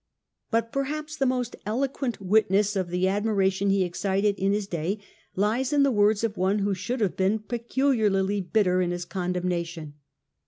But perhaps the most eloquent witness of the admira tion he excited in his day lies in the words of one who should have been peculiarly bitter in his condemnation.